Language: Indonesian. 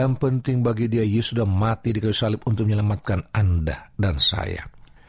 yang penting bagi dia sudah mati di kayu salib untuk menyelamatkan anda dan saya